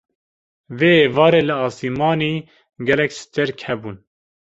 Vê êvarê li asîmanî gelek stêrk hebûn.